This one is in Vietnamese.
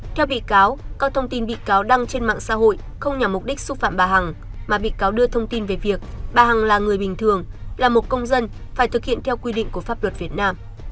theo bị cáo các thông tin bị cáo đăng trên mạng xã hội không nhằm mục đích xúc phạm bà hằng mà bị cáo đưa thông tin về việc bà hằng là người bình thường là một công dân phải thực hiện theo quy định của pháp luật việt nam